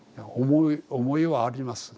思いはあります。